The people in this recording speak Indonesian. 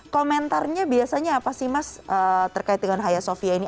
komentarnya biasanya apa sih mas terkait dengan haya sofia ini